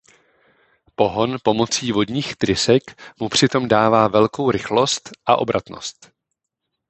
Pohon pomocí vodních trysek mu přitom dává velkou rychlost a obratnost.